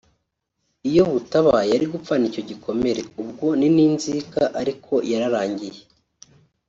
iyo butaba yari gupfana icyo gikomere ubwo ni n’inzika ariko yararangiye